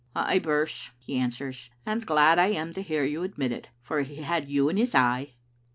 'Ay, Birse,' he answers, 'and glad I am to hear you admit it, for he had you in his eye.